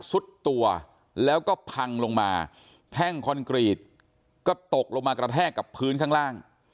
สุดตัวแล้วก็พังลงมาแท่งคอนกรีตก็ตกลงมากระแทกกับพื้นข้างล่าง